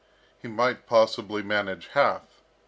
He might possibly manage half.